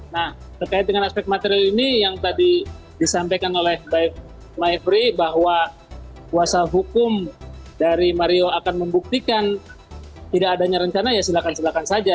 nah terkait dengan aspek material ini yang tadi disampaikan oleh baik maifri bahwa kuasa hukum dari mario akan membuktikan tidak adanya rencana ya silakan silakan saja